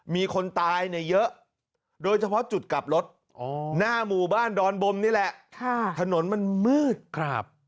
มีคนตายเนี่ยเยอะโดยเฉพาะจุดกลับรถหน้าหมู่บ้านดอนบมนี่แหละถนนมันมืดครับ